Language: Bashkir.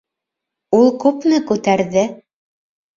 Ул күпме күтәрҙе?